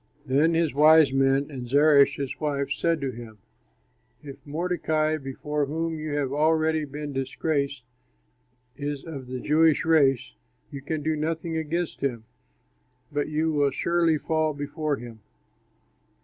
Then his wise men and Zeresh, his wife, said to him, "If Mordecai before whom you have already been disgraced is of the Jewish race, you can do nothing against him, but you will surely fall before him."